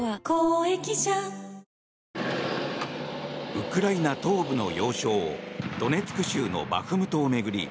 ウクライナ東部の要衝ドネツク州のバフムトを巡り